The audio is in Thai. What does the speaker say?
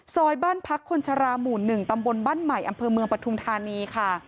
ซอยบ้านพักคนชราหมู่๑ตำบลบ้านใหม่อำเภอเมืองปฐุมธานีค่ะ